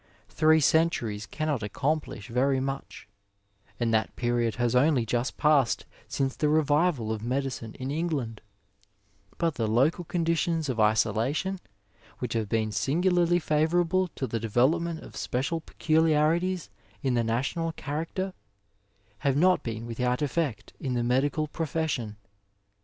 Three centuries cannot accomplish very much (and that period has only just passed since the revival of medicine in Eng land), but the local conditions of isolation, which have been singularly favourable to the development of special peculiarities in the national character, have not been with out effect in the medical profession.